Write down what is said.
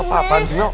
lu apa apaan sih mel